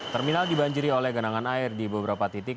terminal dibanjiri oleh genangan air di beberapa titik